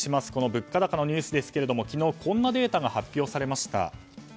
物価高のニュースですが昨日、こんなデータが発表されました。